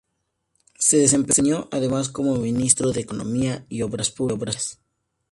Se desempeñó además como ministro de Economía y Obras Públicas.